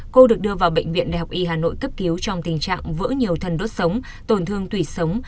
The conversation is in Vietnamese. cô được đưa vào bệnh viện đại học y hà nội cấp cứu trong tình trạng vỡ nhiều thần đốt sống tổn thương thủy sống